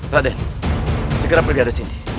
raden segera pergi dari sini